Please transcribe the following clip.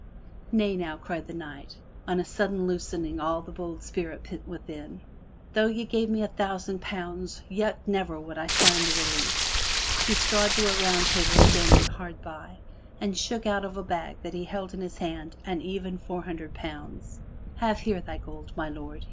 "Nay, now!" cried the Knight, on a sudden loosing all the bold spirit pent within. "Though ye gave me a thousand pounds, yet would I never sign the release!" He strode to a round table standing hard by, and shook out of a bag that he held in his hand an even four hundred pound. ''Have here thy gold, my lord!"